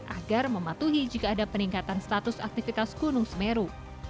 agar mematuhi jika ada peningkatan status aktivitas gunung semeru